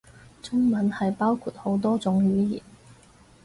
中文係包括好多種語言